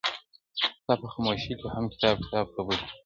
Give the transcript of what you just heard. • ستا په خاموشۍ کي هم کتاب کتاب خبري دي,